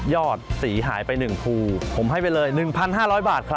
อดสีหายไป๑ภูผมให้ไปเลย๑๕๐๐บาทครับ